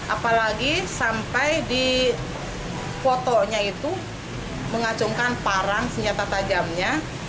apalagi sampai di fotonya itu mengacungkan parang senjata tajamnya